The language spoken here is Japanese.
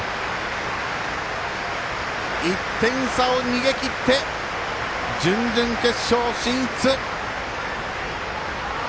１点差を逃げきって準々決勝進出！